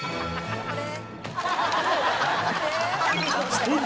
頑張れ！